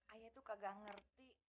ayah itu kagak ngerti